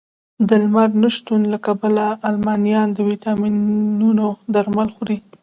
د لمر نه شتون له کبله المانیان د ویټامینونو درمل خوري